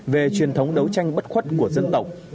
về truyền thống đấu tranh bất khuất của dân tộc